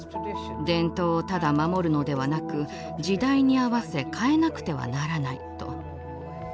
伝統をただ守るのではなく時代に合わせ変えなくてはならないと。